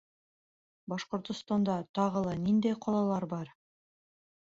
Башҡортостанда тағы ла ниндәй ҡалалар бар?